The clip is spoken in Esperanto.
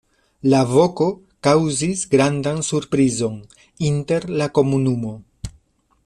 La voko kaŭzis grandan surprizon inter la komunumo.